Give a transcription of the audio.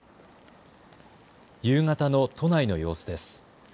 夕方の都内の様子です。